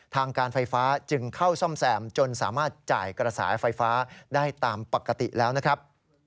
ทางการไฟฟ้าจึงเข้าซ่อมแซมจนสามารถจ่ายกระแสไฟฟ้าได้ตามปกติแล้วนะครับ